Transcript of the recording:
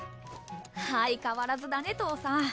相変わらずだね父さん。